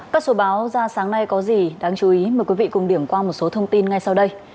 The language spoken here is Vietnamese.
các số báo ra sáng nay có gì đáng chú ý mời quý vị cùng điểm qua một số thông tin ngay sau đây